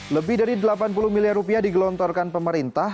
lebih dari delapan puluh miliar rupiah digelontorkan pemerintah